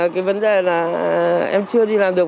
cái vấn đề là em chưa đi làm được